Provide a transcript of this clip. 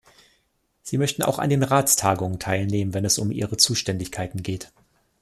Sie möchten auch an den Ratstagungen teilnehmen, wenn es um ihre Zuständigkeiten geht.